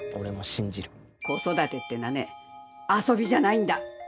子育てってのはね遊びじゃないんだ。